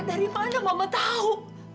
dari mana mama tahu